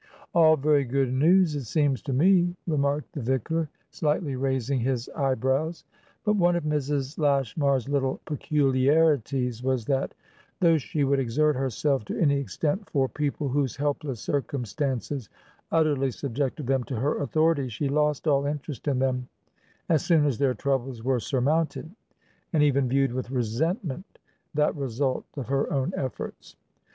"All very good news, it seems to me," remarked the vicar, slightly raising his eyebrows. But one of Mrs. Lashmar's little peculiarities was that, though she would exert herself to any extent for people whose helpless circumstances utterly subjected them to her authority, she lost all interest in them as soon as their troubles were surmounted, and even viewed with resentment that result of her own efforts.